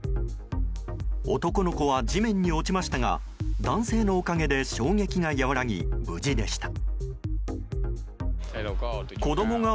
男の子は地面に落ちましたが男性のおかげで衝撃が和らぎ無事でした。